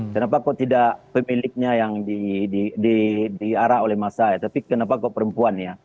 kenapa kok tidak pemiliknya yang diarah oleh masa tapi kenapa kok perempuan